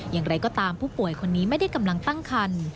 อย่างไรก็ตามผู้ป่วยคนนี้ไม่ได้กำลังตั้งคัน